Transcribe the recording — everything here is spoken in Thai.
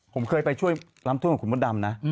ผมเคยไปช่วยน้ำท่วมของคุณมดดำนะ